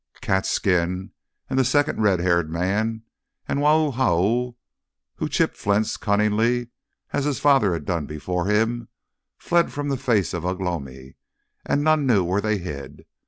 Cat's skin and the second red haired man and Wau Hau, who chipped flints cunningly, as his father had done before him, fled from the face of Ugh lomi, and none knew where they hid.